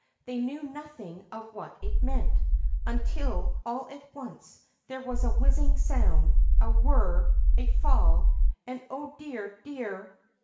They knew nothing of what it meant, until all at once there was a whizzing sound, a whirr, a fall, and, oh, dear! dear!